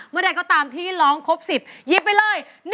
เมื่อได้ก็ตามที่ร้องครบ๑๐ยิบไปเลย